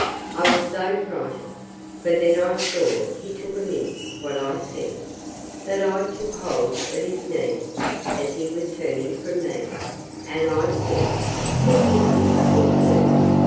I was so frightened, (for then I saw he took amiss what I said,) that I took hold of his knees, as he was turning from me; and I said, Forgive me, good sir!